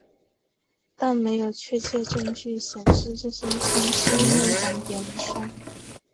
但没有确切证据显示这些腔室内含盐腺。